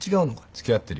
つきあってるよ。